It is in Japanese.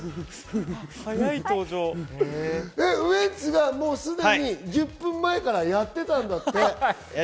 ウエンツがすでに１０分前からやってたんだって。